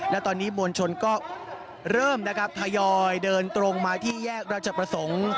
และตอนนี้มวลชนก็เริ่มนะครับทยอยเดินตรงมาที่แยกราชประสงค์